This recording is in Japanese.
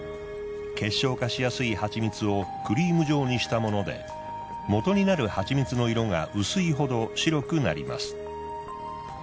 結晶化しやすい蜂蜜をクリーム状にしたもので元になる蜂蜜の色が薄いほど白くなります。